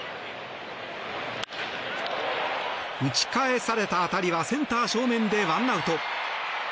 打ち返された当たりはセンター正面で１アウト。